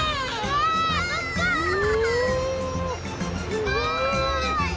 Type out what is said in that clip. すごい！